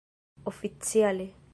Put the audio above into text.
oficiale